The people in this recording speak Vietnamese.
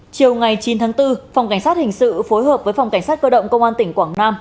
chiều ngày chín tháng bốn phòng cảnh sát hình sự phối hợp với phòng cảnh sát cơ động công an tỉnh quảng nam